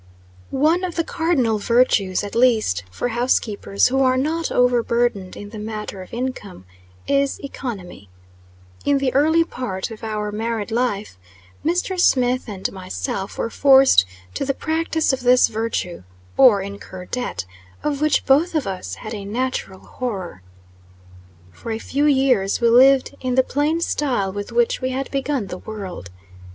ONE of the cardinal virtues, at least for housekeepers who are not overburdened in the matter of income, is economy. In the early part of our married life, Mr. Smith and myself were forced to the practice of this virtue, or incur debt, of which both of us had a natural horror. For a few years we lived in the plain style with which we had begun the world.